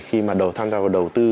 khi mà đầu tham gia vào đầu tư